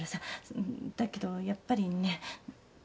だけどやっぱりね。